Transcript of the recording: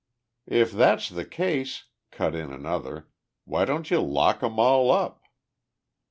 "If that's the case," cut in another, "why don't you lock 'em all up?"